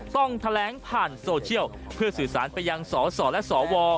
ต้องแถลงผ่านโซเชียลเพื่อสื่อสารไปยังสสและสว